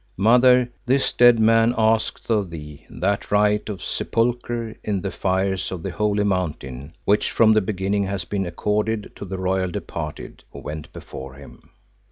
"Mother, this dead man asks of thee that right of sepulchre in the fires of the holy Mountain which from the beginning has been accorded to the royal departed who went before him."